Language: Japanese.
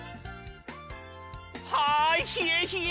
はいひえひえ！